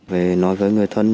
về nói với người thân